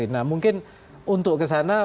nah mungkin untuk kesana